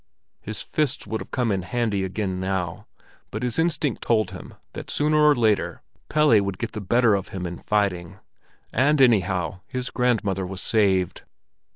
His fists would have come in handy again now, but his instinct told him that sooner or later Pelle would get the better of him in fighting. And anyhow his grandmother was saved.